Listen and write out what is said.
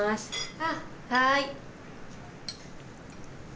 あっはい。